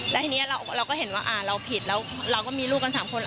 แล้วทีนี้เราก็เห็นว่าเราผิดแล้วเราก็มีลูกกัน๓คน